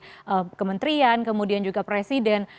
ada statement dari kementerian kemudian juga presiden